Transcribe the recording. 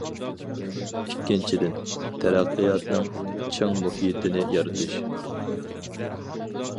ئىككىنچىدىن، تەرەققىياتنىڭ چىڭ مۇھىتىنى يارىتىش.